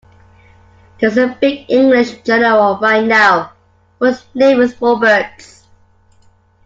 There's a big English general right now whose name is Roberts.